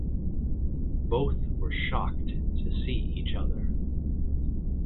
Both were shocked to see each other.